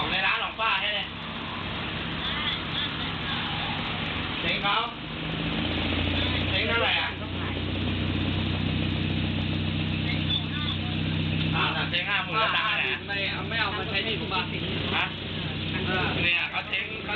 เขาเช้งร้านให้เขาแล้วไม่เอาต่างใช้นิดหนึ่งบาท